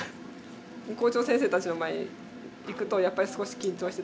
校長先生たちの前行くとやっぱり少し緊張してたんだけど。